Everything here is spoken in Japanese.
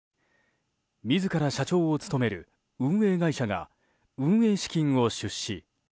自ら社長を務める運営会社が運営資金を出資。